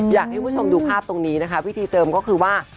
อยากให้คุณผู้ชมดูภาพตรงนี้นะคะวิธีเจิมก็คือว่า